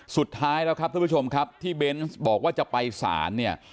สุดท้ายแล้วครับท่านผู้ชมครับที่เบนส์บอกว่าจะไปสารเนี่ย